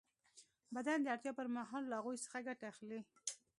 بدن د اړتیا پر مهال له هغوی څخه ګټه اخلي.